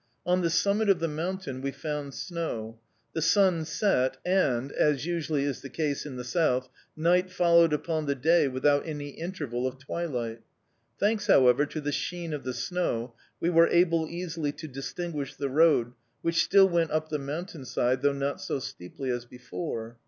On the summit of the mountain we found snow. The sun set, and as usually is the case in the south night followed upon the day without any interval of twilight. Thanks, however, to the sheen of the snow, we were able easily to distinguish the road, which still went up the mountain side, though not so steeply as before.